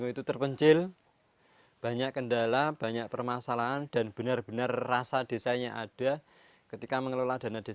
untuk menjadi pemandu yang bisa diandalkan